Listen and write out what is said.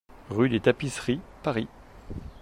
RUE DES TAPISSERIES, Paris